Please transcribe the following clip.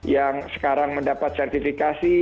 yang sekarang mendapat sertifikasi